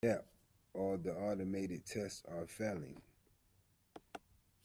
Help! All the automated tests are failing!